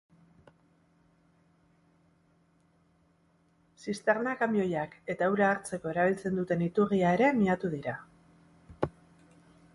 Zisterna-kamioiak eta ura hartzeko erabiltzen duten iturria ere miatu dira.